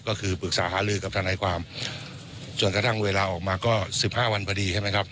ก็คือปรึกษาหาลือกับทนายความจนกระทั่งเวลาออกมาก็๑๕วันพอดีใช่ไหมครับ